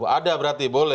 ada berarti boleh